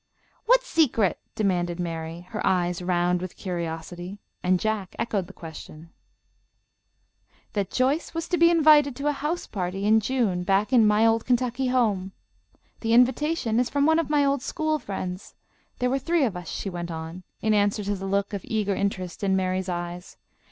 "What secret?" demanded Mary, her eyes round with curiosity, and Jack echoed the question. "That Joyce was to be invited to a house party in June, back in 'My old Kentucky home.' The invitation is from one of my old school friends. There were three of us," she went on, in answer to the look of eager interest in Mary's eyes.